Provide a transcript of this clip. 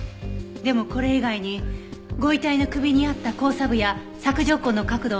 でもこれ以外にご遺体の首にあった交叉部や索条痕の角度を説明できますか？